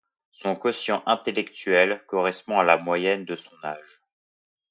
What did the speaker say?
Son quotient intellectuel correspond à la moyenne de son âge.